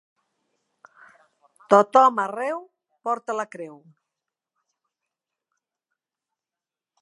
Tothom arreu porta la creu.